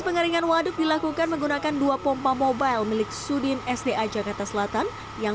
pengeringan waduk dilakukan menggunakan dua pompa mobile milik sudin sda jakarta selatan yang